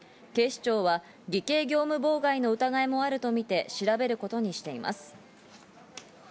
警視庁は偽計業務妨害の疑いもあるとみて調べることにしています。